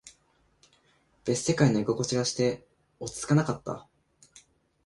別世界の居心地がして、落ち着かなかった。